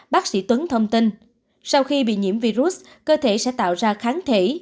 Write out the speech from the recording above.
bác sĩ tuấn thông tin sau khi bị nhiễm virus cơ thể sẽ tạo ra kháng thể